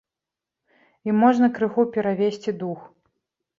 І можна крыху перавесці дух.